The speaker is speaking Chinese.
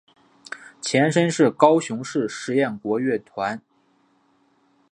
前身是高雄市实验国乐团。